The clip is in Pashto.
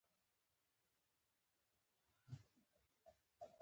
ما وې يو څه کښښونه به وکړم.